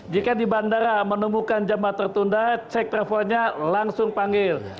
jika di bandara menemukan jemaah tertunda cek travelnya langsung panggil